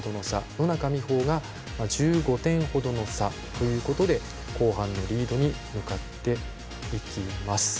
野中生萌が１５点程の差ということで後半のリードに向かっていきます。